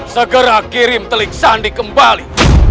segera kirim telik sandi kembali